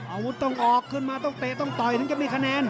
อาวุธต้องออกขึ้นมาต้องเตะต้องต่อยถึงจะมีคะแนน